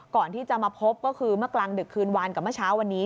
ก่อนที่จะมาพบก็คือเมื่อกลางดึกคืนวันกับเมื่อเช้าวันนี้